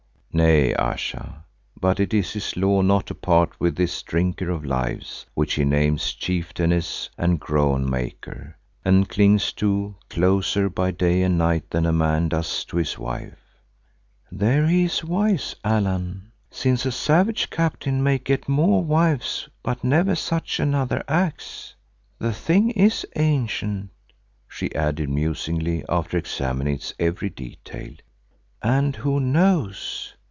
"Nay, Ayesha, but it is his law not to part with this Drinker of Lives, which he names 'Chieftainess and Groan maker,' and clings to closer by day and night than a man does to his wife." "There he is wise, Allan, since a savage captain may get more wives but never such another axe. The thing is ancient," she added musingly after examining its every detail, "and who knows?